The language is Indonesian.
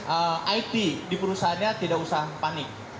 yang mempunyai sistem it di perusahaannya tidak usah panik